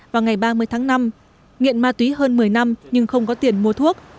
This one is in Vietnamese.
vào ngày ba mươi tháng năm nghiện ma túy hơn một mươi năm nhưng không có tiền mua thuốc